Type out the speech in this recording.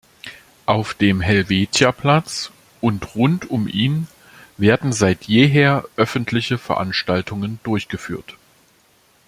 Auf dem Helvetiaplatz und rund um ihn werden seit jeher öffentliche Veranstaltungen durchgeführt.